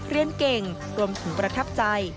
เรียนเก่งรวมถึงประทับใจ